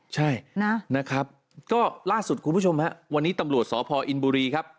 ใช่นะครับก็ล่าสุดคุณผู้ชมฮะวันนี้ตำรวจสพอินบุรีครับ